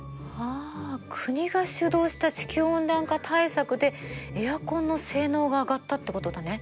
あ国が主導した地球温暖化対策でエアコンの性能が上がったってことだね。